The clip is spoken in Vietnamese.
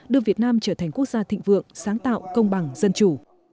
đưa việt nam trở thành quốc gia thịnh vượng sáng tạo công bằng dân chủ